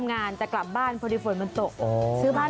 พาจะเป็นรูอีกมั้ยเนี่ย